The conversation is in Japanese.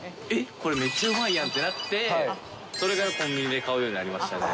これめっちゃうまいやんってなって、それからコンビニで買うようになりましたね。